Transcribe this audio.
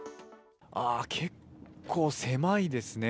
結構狭いですね。